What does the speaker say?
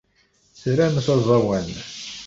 Tramt aẓawan.